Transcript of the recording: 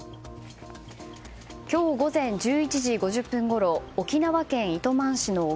今日午前１１時５０分ごろ沖縄県糸満市の沖